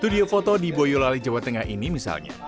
video foto di boyolali jawa tengah ini misalnya